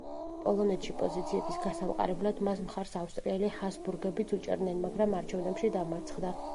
პოლონეთში პოზიციების გასამყარებლად მას მხარს ავსტრიელი ჰაბსბურგებიც უჭერდნენ, მაგრამ არჩევნებში დამარცხდა.